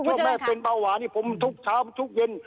ว่าแม่เป็นเบาหวานนี่ผมทุกเช้าทุกเย็น